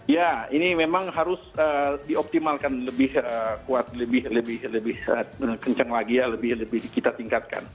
ya ini memang harus dioptimalkan lebih kuat lebih kencang lagi ya lebih kita tingkatkan